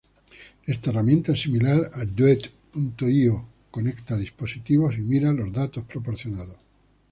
Esta herramienta es similar a dweet.io; conecta dispositivos y mira los datos proporcionados.